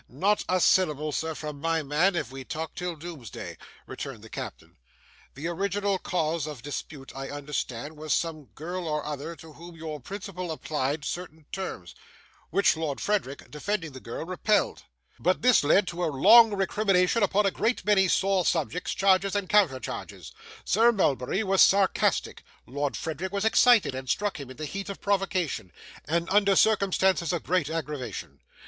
'Not a syllable, sir, from my man, if we talk till doomsday,' returned the captain. 'The original cause of dispute, I understand, was some girl or other, to whom your principal applied certain terms, which Lord Frederick, defending the girl, repelled. But this led to a long recrimination upon a great many sore subjects, charges, and counter charges. Sir Mulberry was sarcastic; Lord Frederick was excited, and struck him in the heat of provocation, and under circumstances of great aggravation.